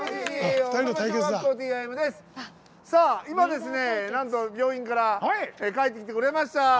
今、なんと病院から帰ってきてくれました。